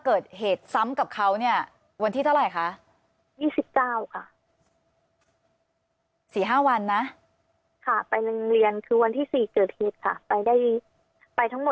เขาก็เข้าเนี่ยวันที่เท่าไหร่ค่ะ